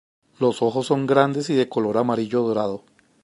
Los ojos son grandes y de color amarillo dorado.